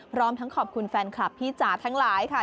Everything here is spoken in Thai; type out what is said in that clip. พร้อมทั้งขอบคุณแฟนคลับพี่จ๋าทั้งหลายค่ะ